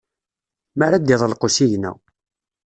Mi ara d-iḍelq usigna.